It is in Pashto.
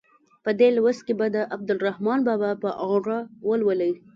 په دې لوست کې به د عبدالرحمان بابا په اړه ولولئ.